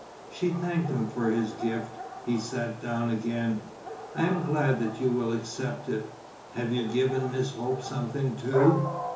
She thanked him for his gift. He sat down again: "I am glad that you will accept it." "Have you given Miss Hope something too?"